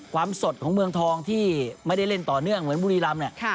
ความสดของเมืองทองที่ไม่ได้เล่นต่อเนื่องเหมือนบุรีรำเนี่ย